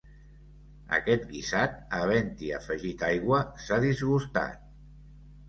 Aquest guisat, havent-hi afegit aigua, s'ha disgustat.